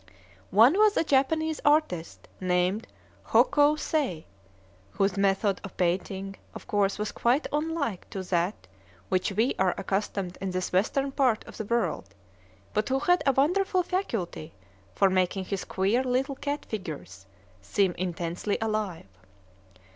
One was a Japanese artist, named Ho Kou Say, whose method of painting, of course, was quite unlike that to which we are accustomed in this western part of the world, but who had a wonderful faculty for making his queer little cat figures seem intensely alive.